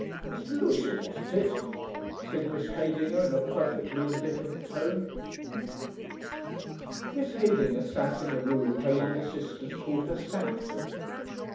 "Mr. Lewisham wasn't it?" said Miss Heydinger in a perfectly indifferent tone. Miss Heydinger sat in the room her younger sisters called her "Sanctum."